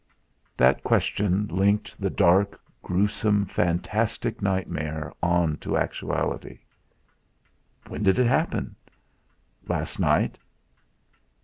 That question linked the dark, gruesome, fantastic nightmare on to actuality. "When did it happen?" "Last night."